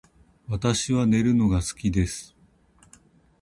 私は寝るのが好きです